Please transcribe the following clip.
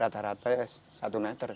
rata rata satu meter